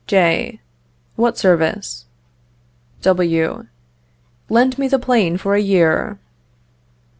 J. What service? W. Lend me the plane for a year.